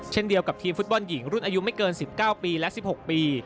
เช่นเดียวกับทีมฟุตบอลหญิงรุ่นอายุไม่เกิน๑๙ปีและ๑๖ปี